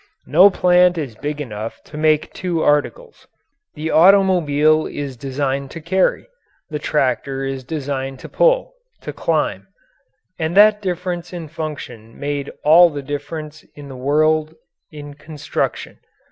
No plant is big enough to make two articles. The automobile is designed to carry; the tractor is designed to pull to climb. And that difference in function made all the difference in the world in construction.